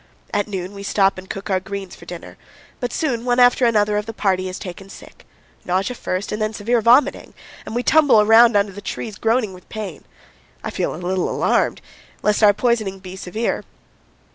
At noon we stop and cook our greens for dinner; but soon one after another of the party is taken sick; nausea first, and then severe vomiting, and we tumble around under the trees, groaning with pain. I feel a little alarmed, lest our poisoning be severe.